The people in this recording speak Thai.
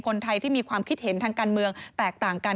คนไทยที่มีความคิดเห็นทางการเมืองแตกต่างกัน